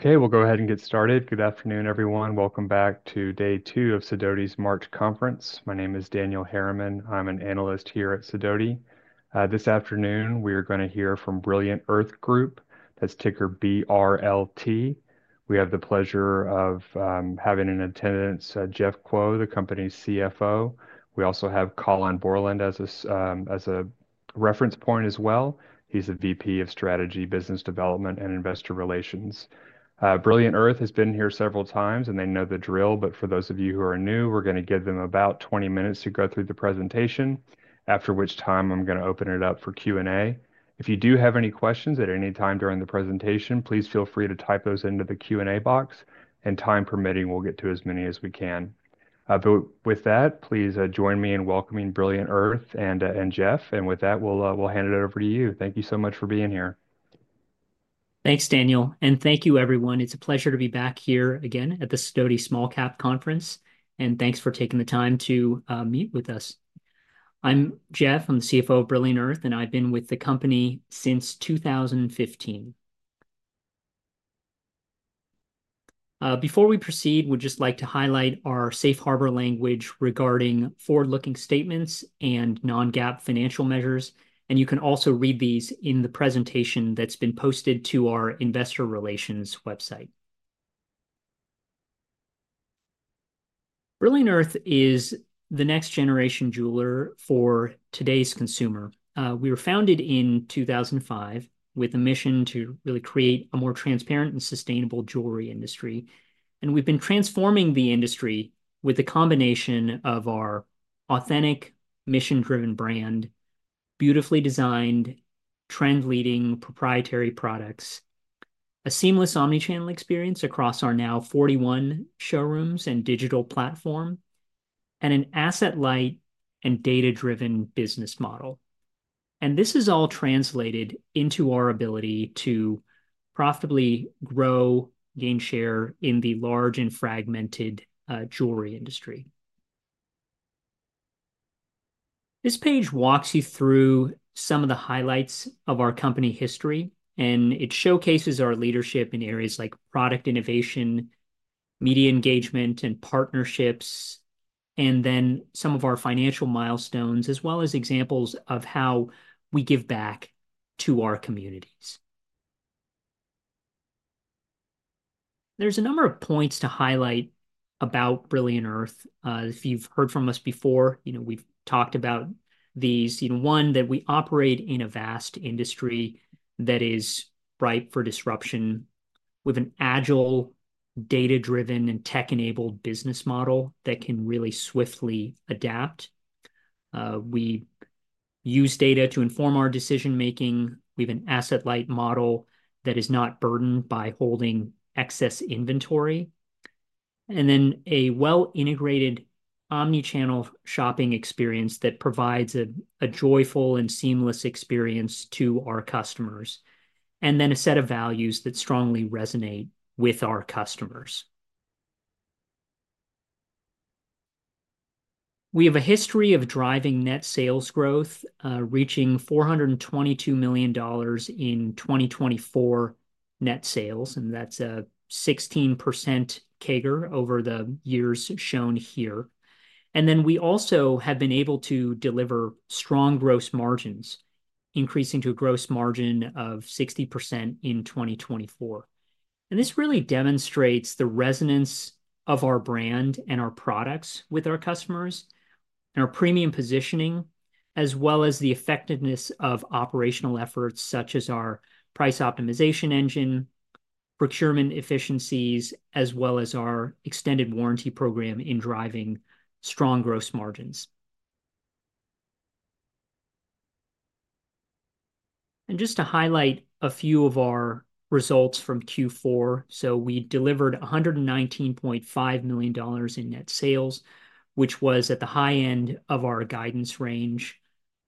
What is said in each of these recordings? Okay, we'll go ahead and get started. Good afternoon, everyone. Welcome back to Day 2 of Sidoti's March Conference. My name is Daniel Harriman. I'm an analyst here at Sidoti. This afternoon, we are going to hear from Brilliant Earth Group. That's ticker BRLT. We have the pleasure of having in attendance Jeff Kuo, the company's CFO. We also have Colin Bourland as a reference point as well. He's the VP of Strategy, Business Development, and Investor Relations. Brilliant Earth has been here several times, and they know the drill. For those of you who are new, we're going to give them about 20 minutes to go through the presentation, after which time I'm going to open it up for Q&A. If you do have any questions at any time during the presentation, please feel free to type those into the Q&A box. Time permitting, we'll get to as many as we can. With that, please join me in welcoming Brilliant Earth and Jeff. With that, we'll hand it over to you. Thank you so much for being here. Thanks, Daniel. Thank you, everyone. It's a pleasure to be back here again at the Sidoti Small Cap Conference. Thank you for taking the time to meet with us. I'm Jeff. I'm the CFO of Brilliant Earth, and I've been with the company since 2015. Before we proceed, we'd just like to highlight our safe harbor language regarding forward-looking statements and non-GAAP financial measures. You can also read these in the presentation that's been posted to our Investor Relations website. Brilliant Earth is the next-generation jeweler for today's consumer. We were founded in 2005 with a mission to really create a more transparent and sustainable jewelry industry. We've been transforming the industry with a combination of our authentic, mission-driven brand, beautifully designed, trend-leading proprietary products, a seamless omnichannel experience across our now 41 showrooms and digital platform, and an asset-light and data-driven business model. This is all translated into our ability to profitably grow, gain share in the large and fragmented jewelry industry. This page walks you through some of the highlights of our company history, and it showcases our leadership in areas like product innovation, media engagement, and partnerships, and then some of our financial milestones, as well as examples of how we give back to our communities. There's a number of points to highlight about Brilliant Earth. If you've heard from us before, you know we've talked about these. One, that we operate in a vast industry that is ripe for disruption with an agile, data-driven, and tech-enabled business model that can really swiftly adapt. We use data to inform our decision-making. We have an asset-light model that is not burdened by holding excess inventory. A well-integrated omnichannel shopping experience provides a joyful and seamless experience to our customers. A set of values strongly resonates with our customers. We have a history of driving net sales growth, reaching $422 million in 2024 net sales, and that's a 16% CAGR over the years shown here. We also have been able to deliver strong gross margins, increasing to a gross margin of 60% in 2024. This really demonstrates the resonance of our brand and our products with our customers and our premium positioning, as well as the effectiveness of operational efforts such as our price optimization engine, procurement efficiencies, as well as our extended warranty program in driving strong gross margins. Just to highlight a few of our results from Q4, we delivered $119.5 million in net sales, which was at the high end of our guidance range.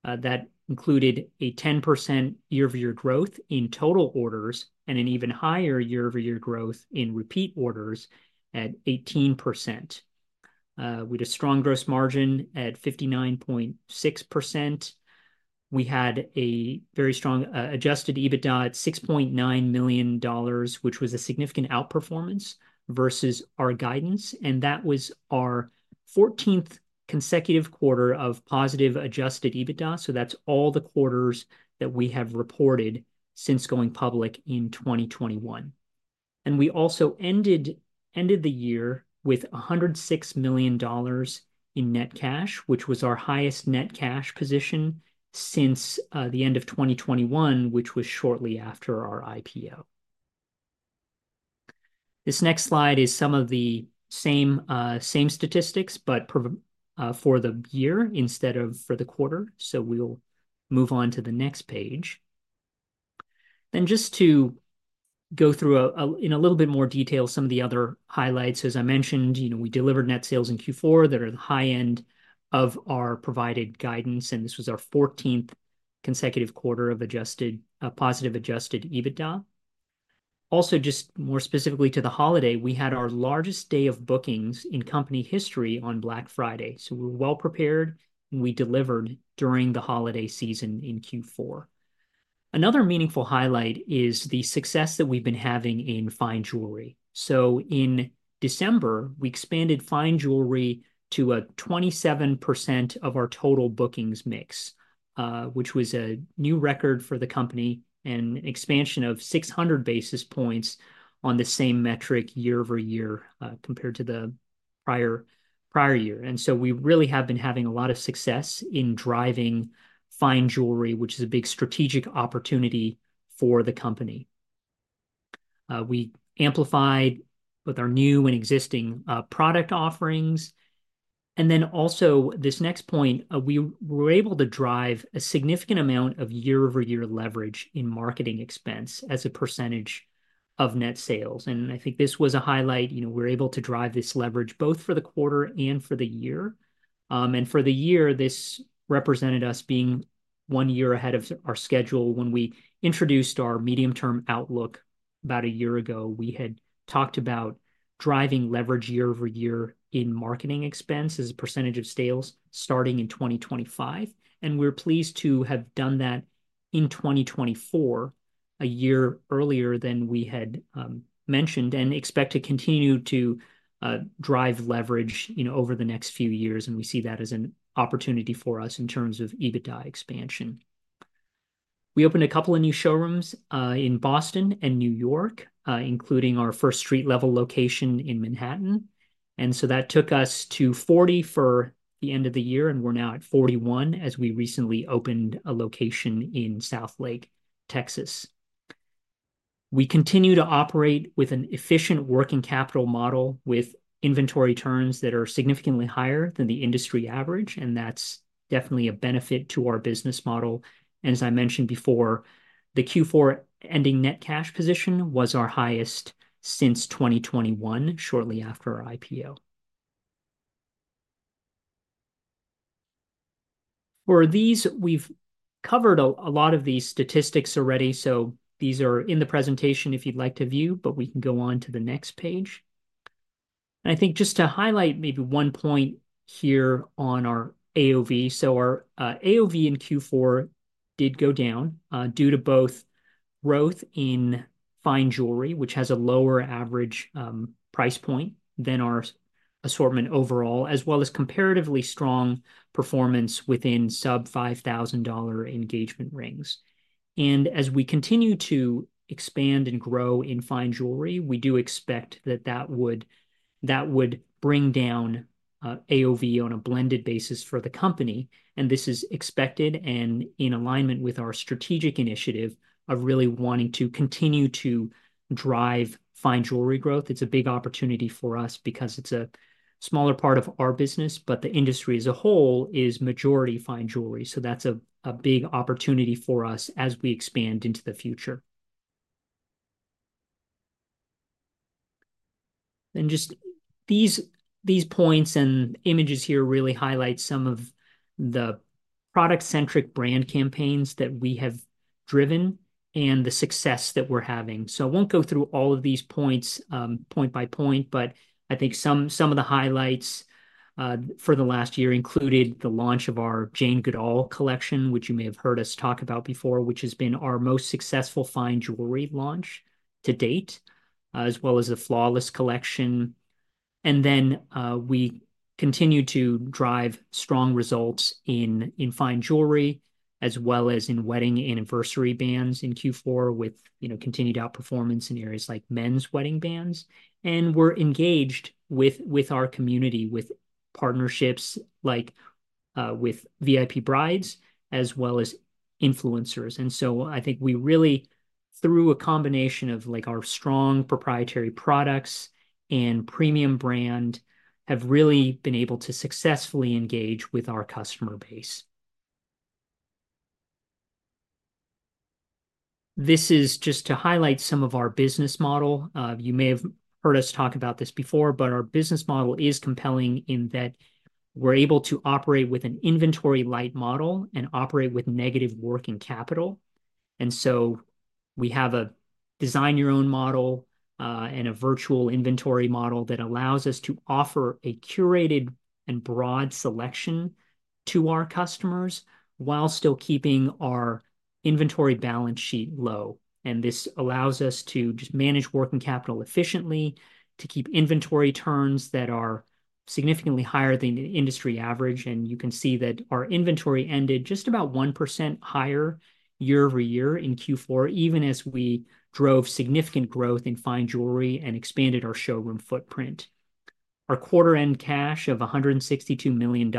That included a 10% year-over-year growth in total orders and an even higher year-over-year growth in repeat orders at 18%. We had a strong gross margin at 59.6%. We had a very strong adjusted EBITDA at $6.9 million, which was a significant outperformance versus our guidance. That was our 14th consecutive quarter of positive adjusted EBITDA. That is all the quarters that we have reported since going public in 2021. We also ended the year with $106 million in net cash, which was our highest net cash position since the end of 2021, which was shortly after our IPO. This next slide is some of the same statistics, but for the year instead of for the quarter. We'll move on to the next page. Just to go through in a little bit more detail some of the other highlights. As I mentioned, you know we delivered net sales in Q4 that are at the high end of our provided guidance. This was our 14th consecutive quarter of positive adjusted EBITDA. Also, just more specifically to the holiday, we had our largest day of bookings in company history on Black Friday. We were well prepared, and we delivered during the holiday season in Q4. Another meaningful highlight is the success that we've been having in fine jewelry. In December, we expanded fine jewelry to a 27% of our total bookings mix, which was a new record for the company and an expansion of 600 basis points on the same metric year-over-year compared to the prior year. We really have been having a lot of success in driving fine jewelry, which is a big strategic opportunity for the company. We amplified both our new and existing product offerings. Also, this next point, we were able to drive a significant amount of year-over-year leverage in marketing expense as a percentage of net sales. I think this was a highlight. You know we were able to drive this leverage both for the quarter and for the year. For the year, this represented us being one year ahead of our schedule when we introduced our medium-term outlook about a year ago. We had talked about driving leverage year-over-year in marketing expense as a percentage of sales starting in 2025. We're pleased to have done that in 2024, a year earlier than we had mentioned, and expect to continue to drive leverage over the next few years. We see that as an opportunity for us in terms of EBITDA expansion. We opened a couple of new showrooms in Boston and New York, including our first street-level location in Manhattan. That took us to 40 for the end of the year, and we're now at 41 as we recently opened a location in Southlake, Texas. We continue to operate with an efficient working capital model with inventory turns that are significantly higher than the industry average. That's definitely a benefit to our business model. As I mentioned before, the Q4 ending net cash position was our highest since 2021, shortly after our IPO. For these, we've covered a lot of these statistics already. These are in the presentation if you'd like to view, but we can go on to the next page. I think just to highlight maybe one point here on our AOV. Our AOV in Q4 did go down due to both growth in fine jewelry, which has a lower average price point than our assortment overall, as well as comparatively strong performance within sub-$5,000 engagement rings. As we continue to expand and grow in fine jewelry, we do expect that that would bring down AOV on a blended basis for the company. This is expected and in alignment with our strategic initiative of really wanting to continue to drive fine jewelry growth. It's a big opportunity for us because it's a smaller part of our business, but the industry as a whole is majority fine jewelry. That's a big opportunity for us as we expand into the future. Just these points and images here really highlight some of the product-centric brand campaigns that we have driven and the success that we're having. I won't go through all of these points point by point, but I think some of the highlights for the last year included the launch of our Jane Goodall Collection, which you may have heard us talk about before, which has been our most successful fine jewelry launch to date, as well as the Flawless collection. We continue to drive strong results in fine jewelry, as well as in wedding anniversary bands in Q4 with continued outperformance in areas like men's wedding bands. We're engaged with our community with partnerships like with VIP brides, as well as influencers. I think we really, through a combination of our strong proprietary products and premium brand, have really been able to successfully engage with our customer base. This is just to highlight some of our business model. You may have heard us talk about this before, but our business model is compelling in that we're able to operate with an inventory-light model and operate with negative working capital. We have a design-your-own model and a virtual inventory model that allows us to offer a curated and broad selection to our customers while still keeping our inventory balance sheet low. This allows us to just manage working capital efficiently, to keep inventory turns that are significantly higher than the industry average. You can see that our inventory ended just about 1% higher year-over-year in Q4, even as we drove significant growth in fine jewelry and expanded our showroom footprint. Our quarter-end cash of $162 million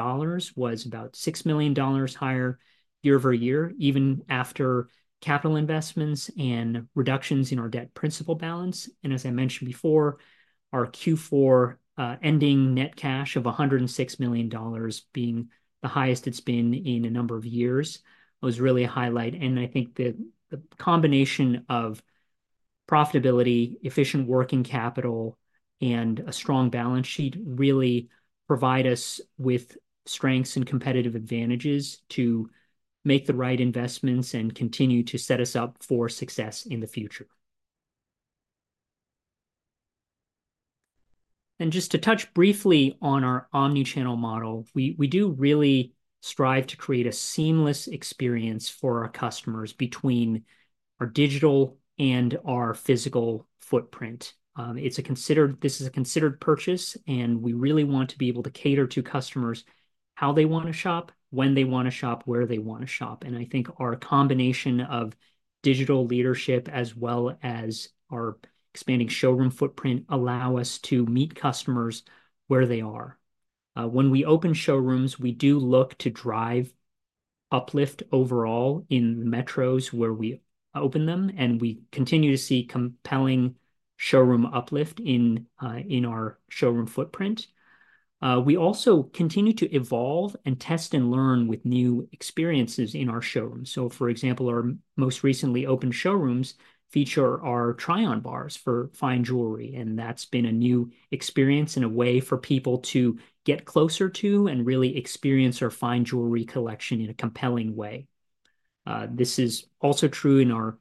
was about $6 million higher year-over-year, even after capital investments and reductions in our debt principal balance. As I mentioned before, our Q4 ending net cash of $106 million being the highest it has been in a number of years was really a highlight. I think that the combination of profitability, efficient working capital, and a strong balance sheet really provide us with strengths and competitive advantages to make the right investments and continue to set us up for success in the future. Just to touch briefly on our omnichannel model, we do really strive to create a seamless experience for our customers between our digital and our physical footprint. This is a considered purchase, and we really want to be able to cater to customers how they want to shop, when they want to shop, where they want to shop. I think our combination of digital leadership as well as our expanding showroom footprint allow us to meet customers where they are. When we open showrooms, we do look to drive uplift overall in the metros where we open them, and we continue to see compelling showroom uplift in our showroom footprint. We also continue to evolve and test and learn with new experiences in our showrooms. For example, our most recently opened showrooms feature our try-on bars for fine jewelry. That has been a new experience and a way for people to get closer to and really experience our fine jewelry collection in a compelling way. This is also true in our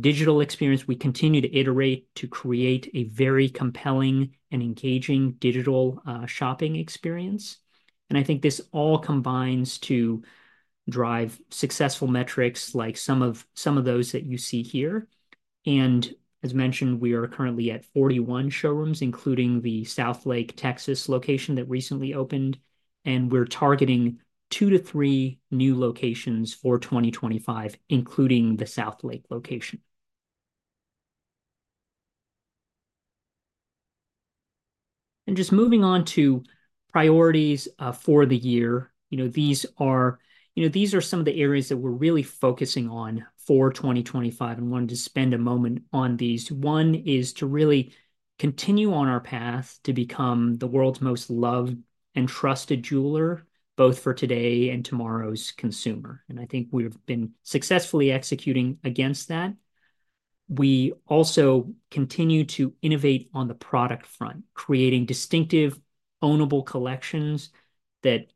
digital experience. We continue to iterate to create a very compelling and engaging digital shopping experience. I think this all combines to drive successful metrics like some of those that you see here. As mentioned, we are currently at 41 showrooms, including the Southlake, Texas location that recently opened. We are targeting two to three new locations for 2025, including the Southlake location. Just moving on to priorities for the year, you know these are some of the areas that we're really focusing on for 2025 and wanted to spend a moment on these. One is to really continue on our path to become the world's most loved and trusted jeweler, both for today and tomorrow's consumer. I think we've been successfully executing against that. We also continue to innovate on the product front, creating distinctive ownable collections that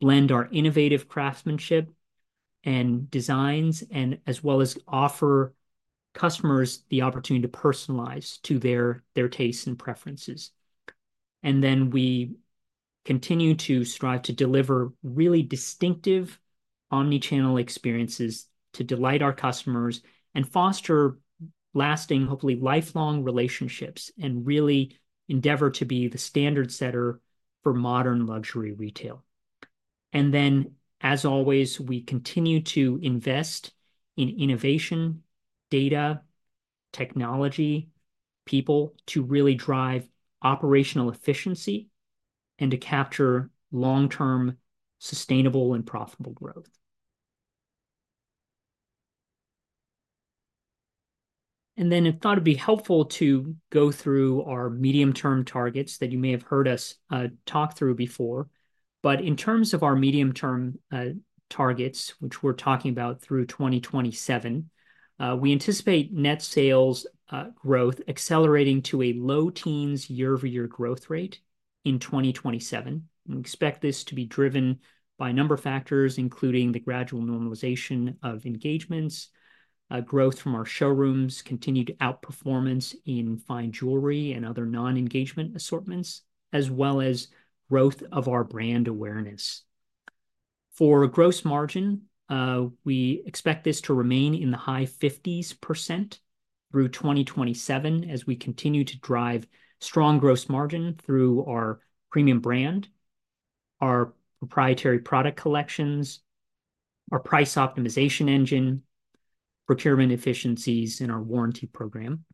blend our innovative craftsmanship and designs, as well as offer customers the opportunity to personalize to their tastes and preferences. We continue to strive to deliver really distinctive omnichannel experiences to delight our customers and foster lasting, hopefully lifelong relationships and really endeavor to be the standard setter for modern luxury retail. As always, we continue to invest in innovation, data, technology, people to really drive operational efficiency and to capture long-term sustainable and profitable growth. I thought it'd be helpful to go through our medium-term targets that you may have heard us talk through before. In terms of our medium-term targets, which we're talking about through 2027, we anticipate net sales growth accelerating to a low teens year-over-year growth rate in 2027. We expect this to be driven by a number of factors, including the gradual normalization of engagements, growth from our showrooms, continued outperformance in fine jewelry and other non-engagement assortments, as well as growth of our brand awareness. For gross margin, we expect this to remain in the high 50% through 2027 as we continue to drive strong gross margin through our premium brand, our proprietary product collections, our price optimization engine, procurement efficiencies, and our warranty program.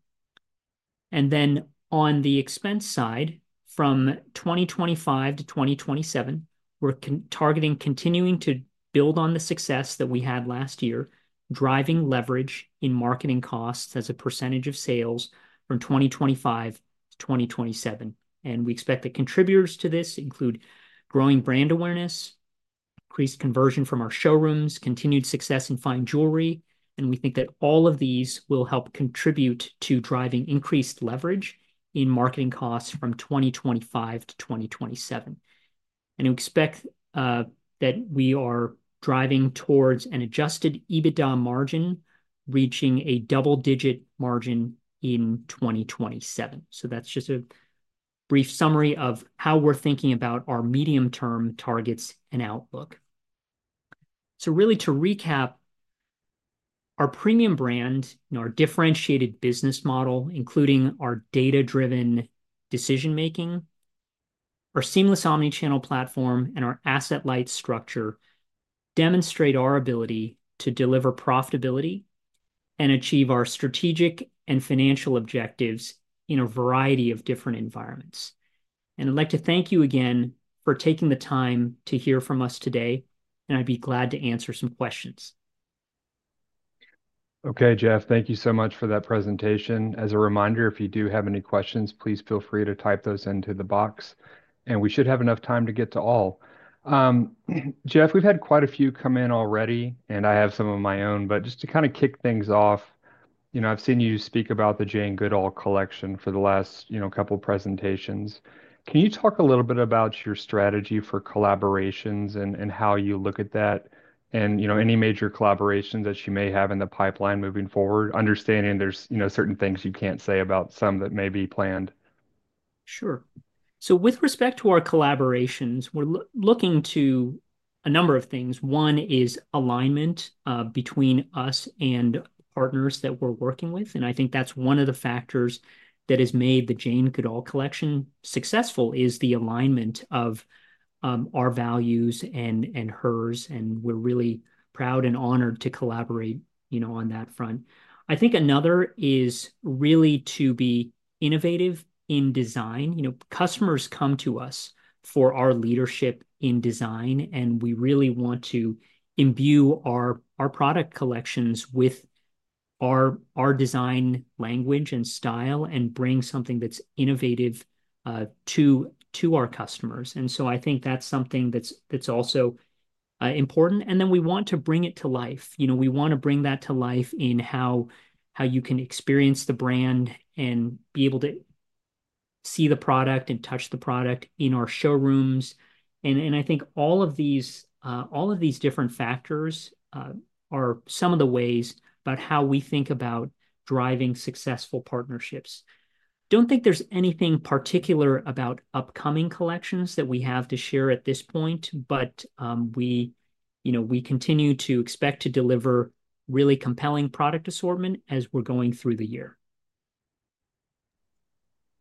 On the expense side, from 2025-2027, we're targeting continuing to build on the success that we had last year, driving leverage in marketing costs as a percentage of sales from 2025-2027. We expect that contributors to this include growing brand awareness, increased conversion from our showrooms, continued success in fine jewelry. We think that all of these will help contribute to driving increased leverage in marketing costs from 2025-2027. We expect that we are driving towards an adjusted EBITDA margin reaching a double-digit margin in 2027. That is just a brief summary of how we're thinking about our medium-term targets and outlook. Really to recap, our premium brand, our differentiated business model, including our data-driven decision-making, our seamless omnichannel platform, and our asset-light structure demonstrate our ability to deliver profitability and achieve our strategic and financial objectives in a variety of different environments. I'd like to thank you again for taking the time to hear from us today, and I'd be glad to answer some questions. Okay, Jeff, thank you so much for that presentation. As a reminder, if you do have any questions, please feel free to type those into the box. We should have enough time to get to all. Jeff, we've had quite a few come in already, and I have some of my own. Just to kind of kick things off, you know I've seen you speak about the Jane Goodall collection for the last, you know, couple of presentations. Can you talk a little bit about your strategy for collaborations and how you look at that and, you know, any major collaborations that you may have in the pipeline moving forward, understanding there's, you know, certain things you can't say about some that may be planned? Sure. With respect to our collaborations, we're looking to a number of things. One is alignment between us and partners that we're working with. I think that's one of the factors that has made the Jane Goodall collection successful is the alignment of our values and hers. We're really proud and honored to collaborate, you know, on that front. I think another is really to be innovative in design. You know, customers come to us for our leadership in design, and we really want to imbue our product collections with our design language and style and bring something that's innovative to our customers. I think that's something that's also important. We want to bring it to life. You know, we want to bring that to life in how you can experience the brand and be able to see the product and touch the product in our showrooms. I think all of these different factors are some of the ways about how we think about driving successful partnerships. Don't think there's anything particular about upcoming collections that we have to share at this point, but we, you know, we continue to expect to deliver really compelling product assortment as we're going through the year.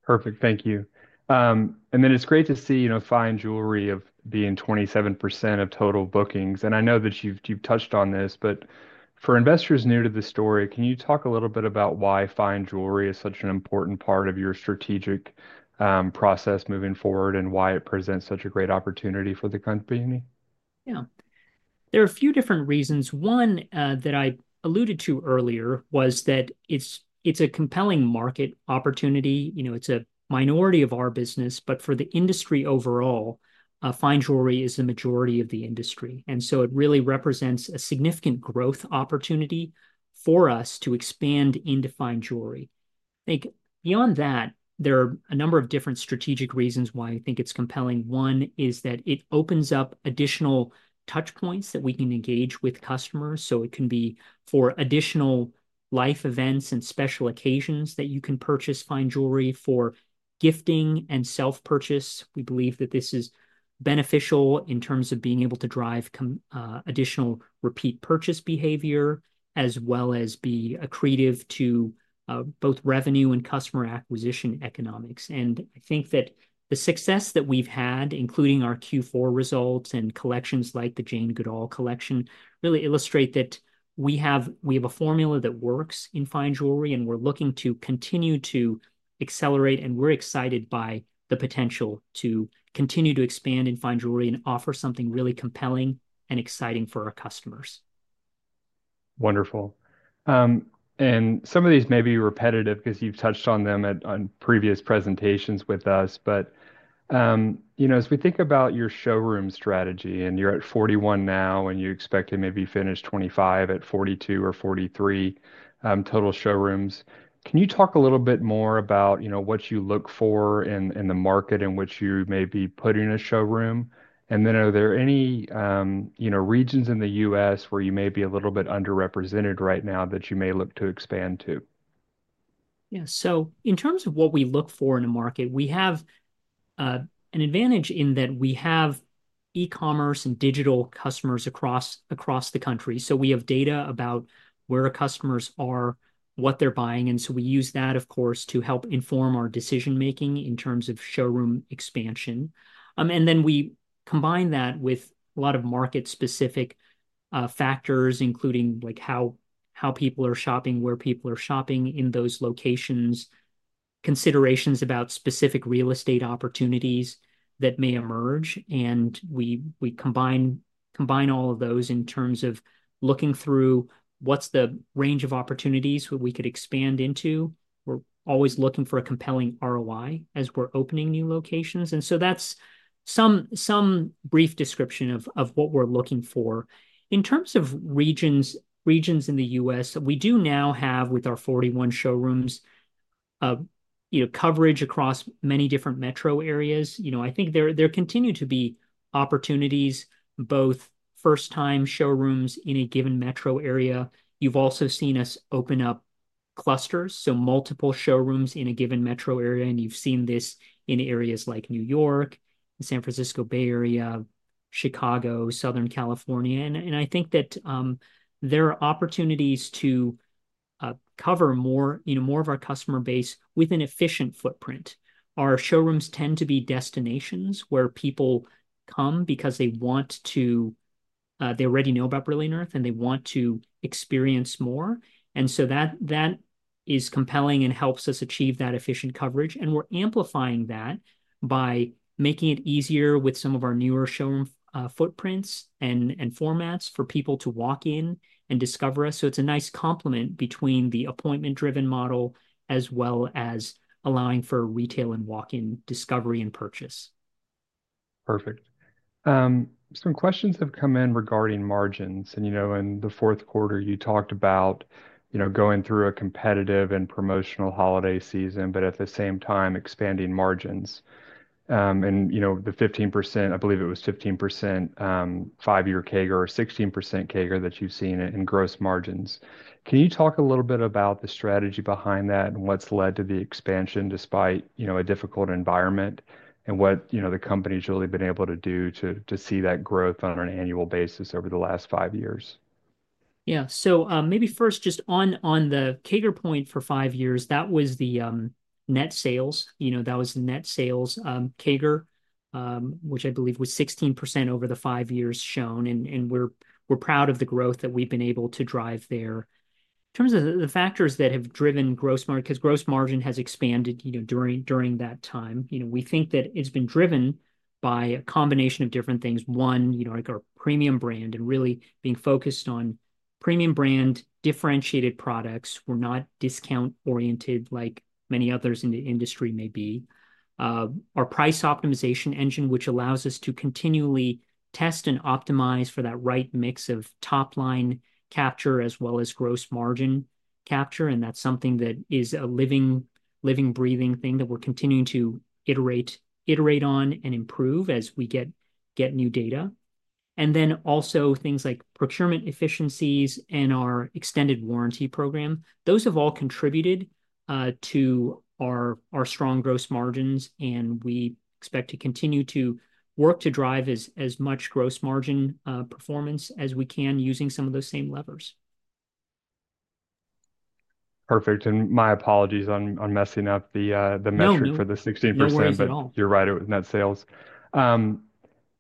Perfect. Thank you. Then it's great to see, you know, fine jewelry be in 27% of total bookings. I know that you've touched on this, but for investors new to the story, can you talk a little bit about why fine jewelry is such an important part of your strategic process moving forward and why it presents such a great opportunity for the company? Yeah. There are a few different reasons. One that I alluded to earlier was that it's a compelling market opportunity. You know, it's a minority of our business, but for the industry overall, fine jewelry is the majority of the industry. It really represents a significant growth opportunity for us to expand into fine jewelry. I think beyond that, there are a number of different strategic reasons why I think it's compelling. One is that it opens up additional touch points that we can engage with customers. It can be for additional life events and special occasions that you can purchase fine jewelry for gifting and self-purchase. We believe that this is beneficial in terms of being able to drive additional repeat purchase behavior, as well as be accretive to both revenue and customer acquisition economics. I think that the success that we've had, including our Q4 results and collections like the Jane Goodall collection, really illustrate that we have a formula that works in fine jewelry, and we're looking to continue to accelerate. We're excited by the potential to continue to expand in fine jewelry and offer something really compelling and exciting for our customers. Wonderful. Some of these may be repetitive because you've touched on them at previous presentations with us. You know, as we think about your showroom strategy and you're at 41 now and you expect to maybe finish 2025 at 42 or 43 total showrooms, can you talk a little bit more about, you know, what you look for in the market in which you may be putting a showroom? Are there any, you know, regions in the U.S. where you may be a little bit underrepresented right now that you may look to expand to? Yeah. In terms of what we look for in a market, we have an advantage in that we have e-commerce and digital customers across the country. We have data about where customers are, what they're buying. We use that, of course, to help inform our decision-making in terms of showroom expansion. We combine that with a lot of market-specific factors, including like how people are shopping, where people are shopping in those locations, considerations about specific real estate opportunities that may emerge. We combine all of those in terms of looking through what's the range of opportunities that we could expand into. We're always looking for a compelling ROI as we're opening new locations. That's some brief description of what we're looking for. In terms of regions in the U.S., we do now have with our 41 showrooms, you know, coverage across many different metro areas. You know, I think there continue to be opportunities, both first-time showrooms in a given metro area. You've also seen us open up clusters, so multiple showrooms in a given metro area. You've seen this in areas like New York, the San Francisco Bay Area, Chicago, Southern California. I think that there are opportunities to cover more, you know, more of our customer base with an efficient footprint. Our showrooms tend to be destinations where people come because they want to, they already know about Brilliant Earth and they want to experience more. That is compelling and helps us achieve that efficient coverage. We're amplifying that by making it easier with some of our newer showroom footprints and formats for people to walk in and discover us. It's a nice complement between the appointment-driven model as well as allowing for retail and walk-in discovery and purchase. Perfect. Some questions have come in regarding margins. You know, in the fourth quarter, you talked about, you know, going through a competitive and promotional holiday season, but at the same time expanding margins. You know, the 15%, I believe it was 15% five-year CAGR, 16% CAGR that you've seen in gross margins. Can you talk a little bit about the strategy behind that and what's led to the expansion despite, you know, a difficult environment and what, you know, the company's really been able to do to see that growth on an annual basis over the last five years? Yeah. Maybe first just on the CAGR point for five years, that was the net sales. You know, that was the net sales CAGR, which I believe was 16% over the five years shown. We're proud of the growth that we've been able to drive there. In terms of the factors that have driven gross margin, because gross margin has expanded, you know, during that time, you know, we think that it's been driven by a combination of different things. One, you know, like our premium brand and really being focused on premium brand differentiated products. We're not discount-oriented like many others in the industry may be. Our price optimization engine, which allows us to continually test and optimize for that right mix of top-line capture as well as gross margin capture. That is something that is a living, living, breathing thing that we're continuing to iterate on and improve as we get new data. Also things like procurement efficiencies and our extended warranty program. Those have all contributed to our strong gross margins. We expect to continue to work to drive as much gross margin performance as we can using some of those same levers. Perfect. My apologies on messing up the metric for the 16%, but you're right, it was net sales.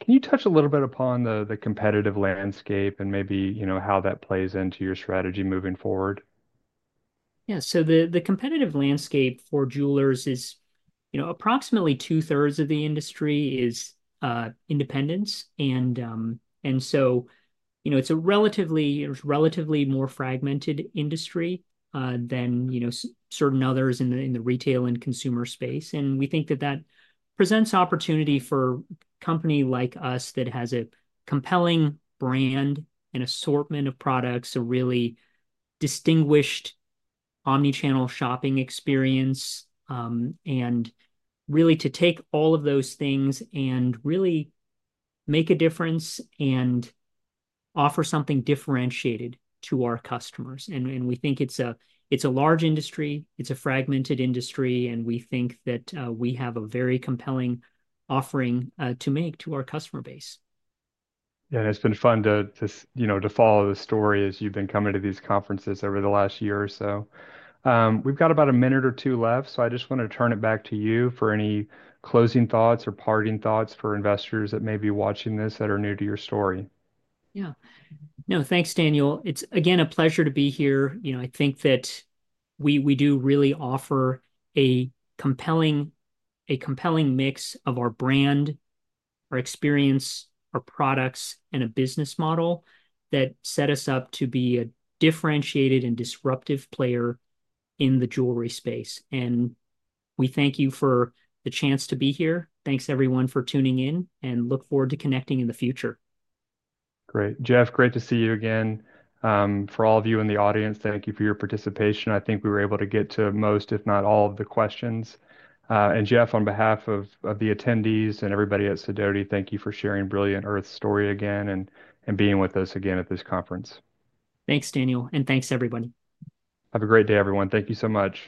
Can you touch a little bit upon the competitive landscape and maybe, you know, how that plays into your strategy moving forward? Yeah. The competitive landscape for jewelers is, you know, approximately two-thirds of the industry is independence. You know, it's a relatively more fragmented industry than, you know, certain others in the retail and consumer space. We think that that presents opportunity for a company like us that has a compelling brand and assortment of products, a really distinguished omnichannel shopping experience, and really to take all of those things and really make a difference and offer something differentiated to our customers. We think it's a large industry. It's a fragmented industry. We think that we have a very compelling offering to make to our customer base. Yeah. It's been fun to, you know, to follow the story as you've been coming to these conferences over the last year or so. We've got about a minute or two left. I just want to turn it back to you for any closing thoughts or parting thoughts for investors that may be watching this that are new to your story. Yeah. No, thanks, Daniel. It's, again, a pleasure to be here. You know, I think that we do really offer a compelling mix of our brand, our experience, our products, and a business model that set us up to be a differentiated and disruptive player in the jewelry space. We thank you for the chance to be here. Thanks, everyone, for tuning in and look forward to connecting in the future. Great. Jeff, great to see you again. For all of you in the audience, thank you for your participation. I think we were able to get to most, if not all, of the questions. Jeff, on behalf of the attendees and everybody at Sidoti, thank you for sharing Brilliant Earth's story again and being with us again at this conference. Thanks, Daniel. Thanks, everyone. Have a great day, everyone. Thank you so much.